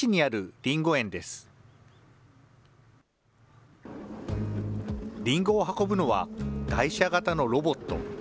りんごを運ぶのは台車型のロボット。